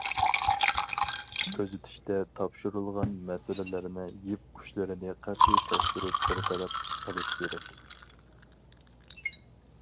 كۆزىتىشتە تاپشۇرۇلغان مەسىلىلەرنىڭ يىپ ئۇچلىرىنى قەتئىي تەكشۈرۈپ بىر تەرەپ قىلىش كېرەك.